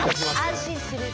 安心する。